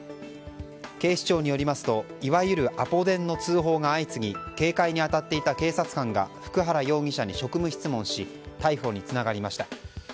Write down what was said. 警視庁によりますといわゆるアポ電の通報が相次ぎ警戒に当たっていた警察官が普久原容疑者に職務質問し逮捕につながりました。